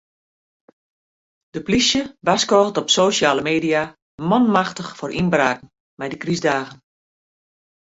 De polysje warskôget op sosjale media manmachtich foar ynbraken mei de krystdagen.